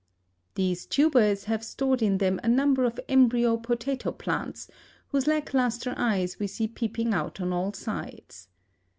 These tubers have stored in them a number of embryo potato plants, whose lack luster eyes we see peeping out on all sides.